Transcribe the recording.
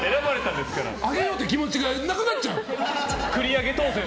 あげようって気持ちがなくなっちゃう。